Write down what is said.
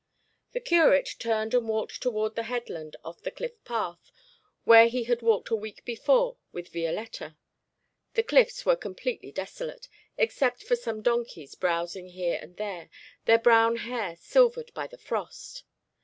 The curate turned and walked toward the headland on the cliff path where he had walked a week before with Violetta. The cliffs were completely desolate, except for some donkeys browsing here and there, their brown hair silvered by the frost.